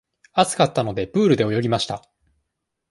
暑かったので、プールで泳ぎました。